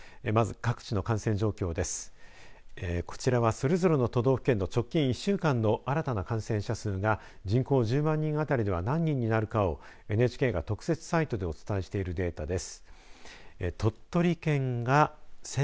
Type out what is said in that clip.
こちらはそれぞれの都道府県の直近１週間の新たな感染者数が人口１０万人当たりでは何人になるかをＮＨＫが特設サイトでお伝えしているデータです。